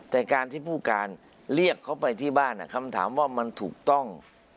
แต่การที่ผู้การเรียกเขาไปที่บ้านคำถามว่ามันถูกต้อง